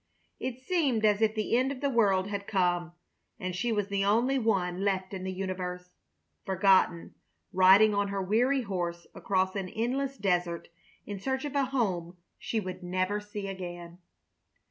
It seemed as if the end of the world had come, and she was the only one left in the universe, forgotten, riding on her weary horse across an endless desert in search of a home she would never see again.